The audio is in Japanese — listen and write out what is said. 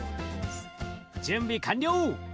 準備完了。